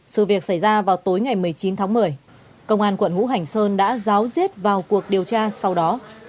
sự việc xảy ra vào tối ngày một mươi chín tháng một mươi công an quận hữu hành sơn đã giáo diết vào cuộc điều tra sau đó